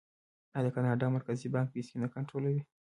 آیا د کاناډا مرکزي بانک پیسې نه کنټرولوي؟